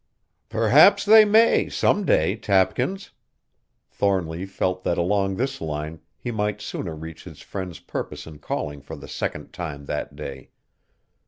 "Perhaps they may, some day, Tapkins." Thornly felt that along this line he might sooner reach his friend's purpose in calling for the second time that day.